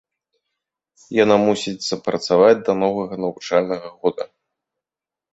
Яна мусіць запрацаваць да новага навучальнага года.